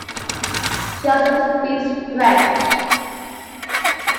She also speaks French.